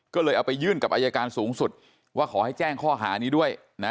ก็เลยเอาไปยื่นกับอายการสูงสุดว่าขอให้แจ้งข้อหานี้ด้วยนะ